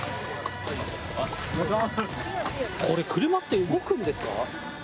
これ、車って動くんですか？